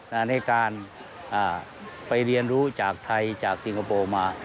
ในการไปเรียนรู้จากไทยจากสิงคโปร์มา